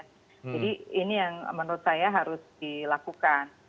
jadi ini yang menurut saya harus dilakukan